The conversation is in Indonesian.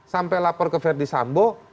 sampai lapor ke verdi sambo